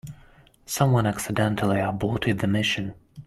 Someone accidentally aborted the mission.